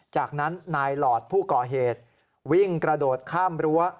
จากนั้นนายหลอดผู้ก่อเหตุวิ่งกระโดดข้ามรั้ว